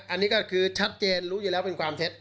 อันนี้ก็คือชัดเจนลุยันแล้วเป็นความเท็จครับ